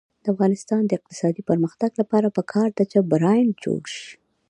د افغانستان د اقتصادي پرمختګ لپاره پکار ده چې برانډ جوړ شي.